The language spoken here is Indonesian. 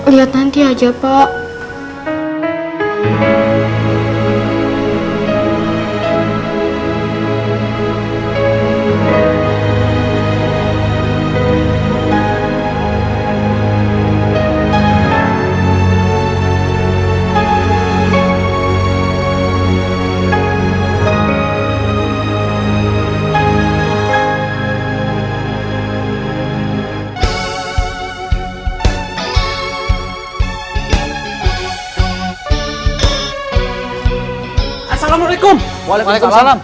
lihat nanti aja pak